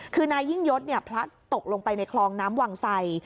คือนายยิ่งยศพลัดตกลงไปในคลองน้ำวังไส